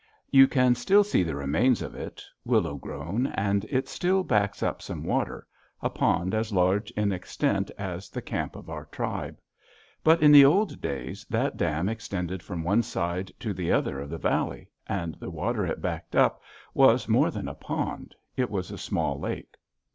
You can still see the remains of it, willow grown, and it still backs up some water, a pond as large in extent as the camp of our tribe. But in the old days that dam extended from one side to the other of the valley, and the water it backed up was more than a pond: it was a small lake.